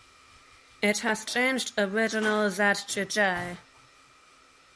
It has changed original "z" to "j".